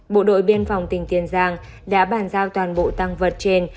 bộ đội biên phòng tỉnh tiền giang đã bàn giao toàn bộ tăng vật trên